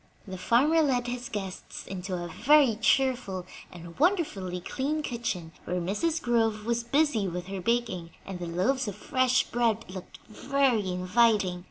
The farmer led his guests into a very cheerful and wonderfully clean kitchen, where Mrs. Groves was busy with her baking, and the loaves of fresh bread looked very inviting.